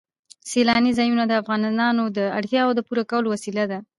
سیلانی ځایونه د افغانانو د اړتیاوو د پوره کولو وسیله ده.